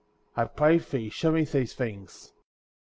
^ I pray thee, show me these things.